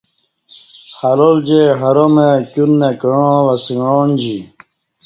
حلال جے حرام کیوت نہ کعاں وَسݣعانجی